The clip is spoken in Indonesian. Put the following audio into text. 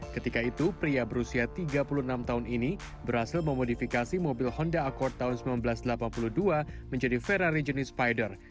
ketika itu pria berusia tiga puluh enam tahun ini berhasil memodifikasi mobil honda accord tahun seribu sembilan ratus delapan puluh dua menjadi ferrari jenis spider